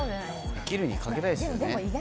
できるに賭けたいですよね